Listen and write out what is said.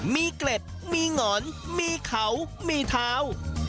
มีเกล็ดมีหงอนมีเขามีเท้า